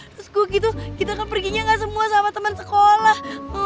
terus gue gitu kita kan perginya nggak semua sama temen sekolah